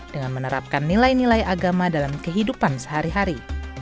dengan menerapkan nilai nilai agama dalam kehidupan sehari hari